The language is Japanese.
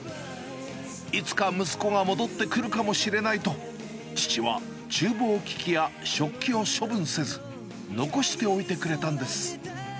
いつか息子が戻ってくるかもしれないと、父はちゅう房機器や食器を処分せず、残しておいてくれたんです。